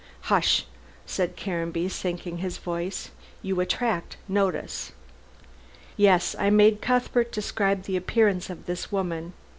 "Hush!" said Caranby, sinking his voice, "you attract notice. Yes, I made Cuthbert describe the appearance of this woman.